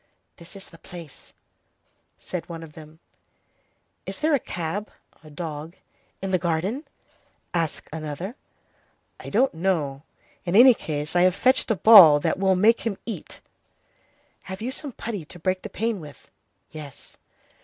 "This is the place," said one of them. "Is there a cab [dog] in the garden?" asked another. "I don't know. In any case, I have fetched a ball that we'll make him eat." "Have you some putty to break the pane with?" "Yes."